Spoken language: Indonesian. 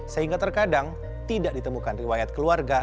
sehingga terkadang tidak ditemukan riwayat keluarga